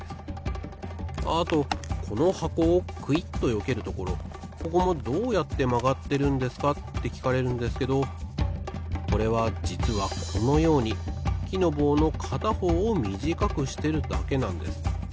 ああとこのはこをクイッとよけるところここもどうやってまがってるんですかってきかれるんですけどこれはじつはこのようにきのぼうのかたほうをみじかくしてるだけなんです。